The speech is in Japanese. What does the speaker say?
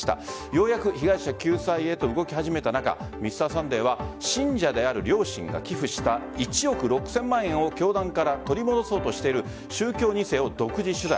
ようやく被害者救済へ動き始めたのか「Ｍｒ．サンデー」は信者である両親が寄付した１億６０００万円を教団から取り戻そうとしている宗教２世を独自取材。